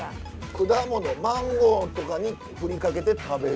果物マンゴーとかにふりかけて食べる。